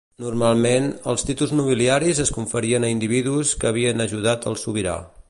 Normalment, els títols nobiliaris es conferien a individus que havien ajudat el sobirà.